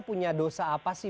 punya dosa apa sih